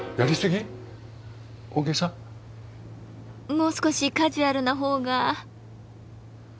もう少しカジュアルなほうが。